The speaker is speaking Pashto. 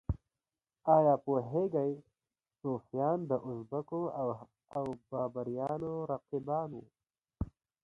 ایا پوهیږئ صفویان د ازبکو او بابریانو رقیبان وو؟